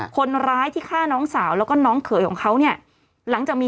คนร้ายที่ฆ่าน้องสาวแล้วก็น้องเขยของเขาเนี่ยหลังจากมี